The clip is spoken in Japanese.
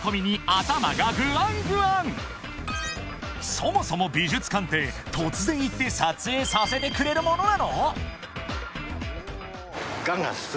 ［そもそも美術館って突然行って撮影させてくれるものなの？］